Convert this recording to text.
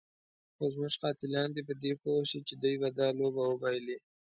خو زموږ قاتلان دې په دې پوه شي چې دوی به دا لوبه وبایلي.